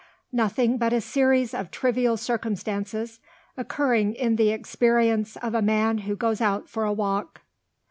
Nothing but a series of trivial circumstances, occurring in the experience of a man who goes out for a walk.